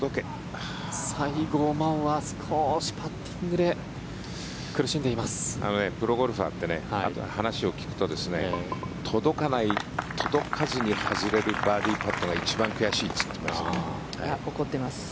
西郷真央は少しパッティングでプロゴルファーって話を聞くと、届かない届かずに外れるバーディーパットが怒っています。